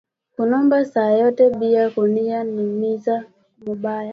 Ku lomba saa yote bia kuria ni miza mubaya